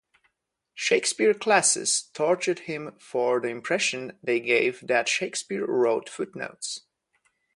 Shakespeare classes tortured him for the impression they gave that Shakespeare wrote footnotes.